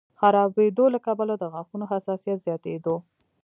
خرابېدو له کبله د غاښونو حساسیت زیاتېدو